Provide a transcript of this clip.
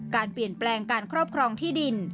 การเปลี่ยนแปลงการครอบครองที่ดิน